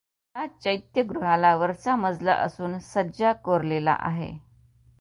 या चैत्यगृहाला वरचा मजला असून सज्जा कोरलेला आहे.